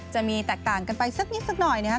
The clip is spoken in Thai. จะมีแตกต่างกันไปสักนิดสักหน่อยนะครับ